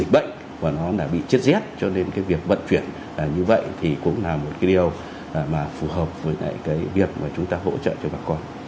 bệnh và nó đã bị chết rét cho nên cái việc vận chuyển như vậy thì cũng là một cái điều mà phù hợp với cái việc mà chúng ta hỗ trợ cho bà con